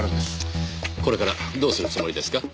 これからどうするつもりですか？